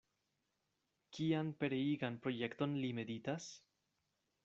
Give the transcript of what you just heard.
Kian pereigan projekton li meditas?